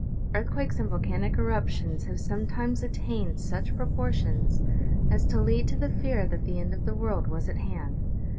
Earthquakes and volcanic eruptions have sometimes at tained such proportions as to lead to the fear that the end of the world was at hand.